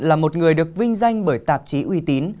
là một người được vinh danh bởi tạp chí uy tín